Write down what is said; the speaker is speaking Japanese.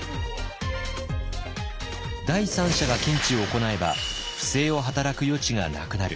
第三者が検地を行えば不正を働く余地がなくなる。